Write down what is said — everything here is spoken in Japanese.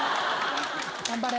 頑張れ。